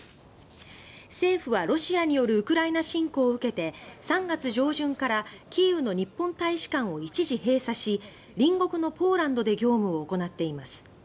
政府は、ロシアによるウクライナ侵攻を受けて３月上旬からキーウの日本大使館を一時閉鎖し隣国のポーランドで業務を行っています。